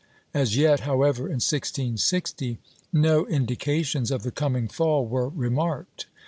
As yet, however, in 1660, no indications of the coming fall were remarked.